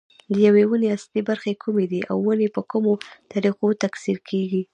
د یوې ونې اصلي برخې کومې دي او ونې په کومو طریقو تکثیر کېږي.